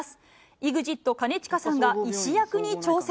ＥＸＩＴ・兼近さんが医師役に挑戦。